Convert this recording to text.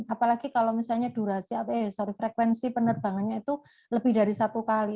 apalagi kalau misalnya durasi frekuensi penerbangannya itu lebih dari satu kali